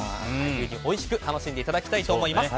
牛乳、おいしく楽しんでいただきたいと思います。